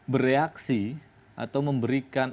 bereaksi atau memberikan